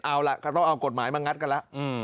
เอาล่ะก็ต้องเอากฎหมายมางัดกันแล้ว